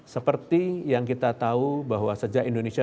seperti yang kita tahu bahwa sejak indonesia